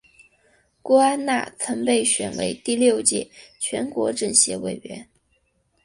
郭安娜曾被选为第六届全国政协委员。